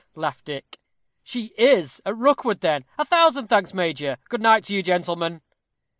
laughed Dick "she is at Rookwood, then? A thousand thanks, major. Good night to you, gentlemen."